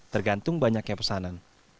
tergantung banyaknya pesanan